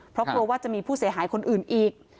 เพราะกลัวว่าจะมีผู้เสียหายคนอื่นอีก